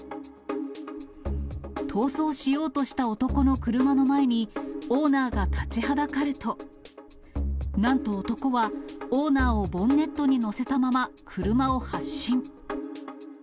逃走しようとした男の車の前に、オーナーが立ちはだかると、なんと男は、オーナーをボンネットに乗せたまま車を発進。